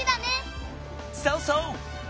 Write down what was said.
そうそう！